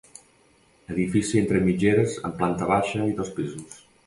Edifici entre mitgeres amb planta baixa i dos pisos.